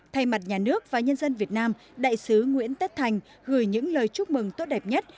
thay mặt nhà nước và nhân dân việt nam đại sứ nguyễn tất thành gửi những lời chúc mừng tốt đẹp nhất